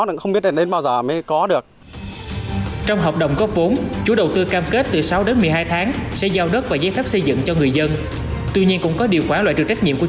đó là không có tâm